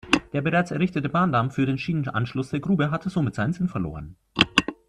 Der bereits errichtete Bahndamm für den Schienenanschluss der Grube hatte somit seinen Sinn verloren.